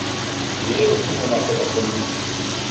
J'irai au cinéma cet après-midi.